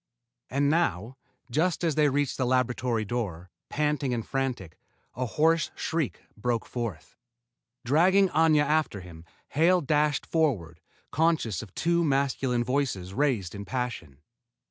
And now, just as they reached the laboratory door, panting and frantic, a hoarse shriek broke forth. Dragging Aña after him, Hale dashed forward, conscious of two masculine voices raised in passion.